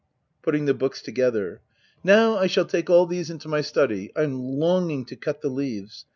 Putting the books together,] Now I shall take all these into my study. Tm longing to cut the leaves